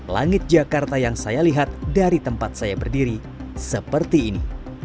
langit jakarta yang saya lihat dari tempat saya berdiri seperti ini